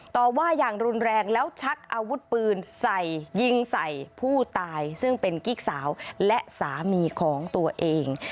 ต่อว่าอย่างรุนแรงแล้วชักอาวุธปืนใส่ยิงใส่ผู้ตายซึ่งเป็นกิ๊กสาวและสามีของตัวเอง